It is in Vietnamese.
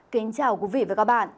kính chào quý vị và các bạn